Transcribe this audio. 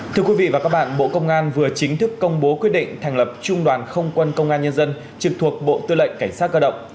thưa quý vị và các bạn bộ công an vừa chính thức công bố quyết định thành lập trung đoàn không quân công an nhân dân trực thuộc bộ tư lệnh cảnh sát cơ động